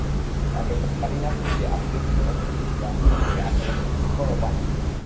রাতে বাড়ি না ফিরলে আত্মীয়স্বজন ও প্রতিবেশীরা হাসিবুলকে আশপাশে খোঁজ করেও পাননি।